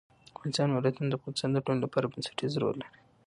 د افغانستان ولايتونه د افغانستان د ټولنې لپاره بنسټيز رول لري.